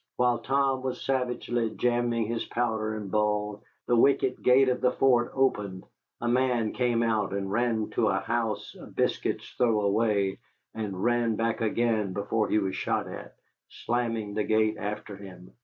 While Tom was savagely jamming in powder and ball, the wicket gate of the fort opened, a man came out and ran to a house a biscuit's throw away, and ran back again before he was shot at, slamming the gate after him.